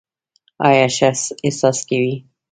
آیا ښه احساس کوې؟